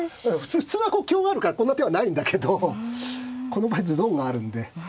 普通は香あるからこんな手はないんだけどこの場合ズドンがあるんで。